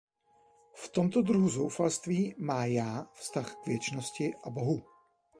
V tomto druhu zoufalství má Já vztah k věčnosti a Bohu.